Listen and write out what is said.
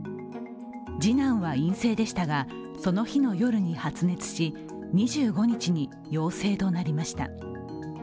次男は陰性でしたがその日の夜に発熱し２５日に陽性となりました。